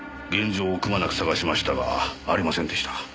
現場をくまなく探しましたがありませんでした。